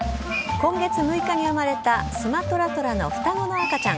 今月６日に生まれたスマトラトラの双子の赤ちゃん。